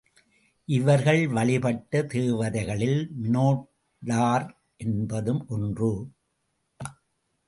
இவர்கள் வழிபட்ட தேவதைகளில் மினோடார் என்பதும் ஒன்று.